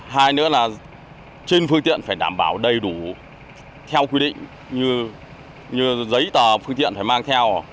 hai nữa là trên phương tiện phải đảm bảo đầy đủ theo quy định như giấy tờ phương tiện phải mang theo